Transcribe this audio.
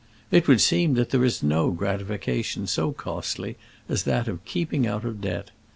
It would seem that there is no gratification so costly as that of keeping out of debt.